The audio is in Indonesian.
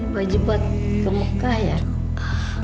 baju buat temukan